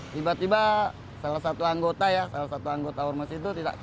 tiba tiba salah satu anggota ormas itu